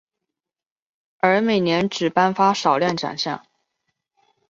而每年只颁发少量奖项。